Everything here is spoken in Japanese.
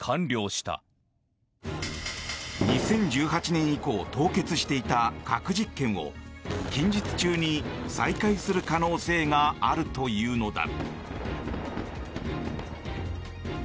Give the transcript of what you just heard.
２０１８年以降凍結していた核実験を近日中に再開する可能性があるというのだ。